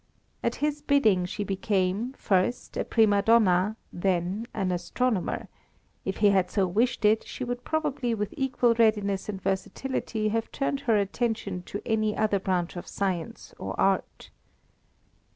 At his bidding she became, first, a prima donna, then an astronomer; if he had so wished it, she would probably with equal readiness and versatility have turned her attention to any other branch of science or art.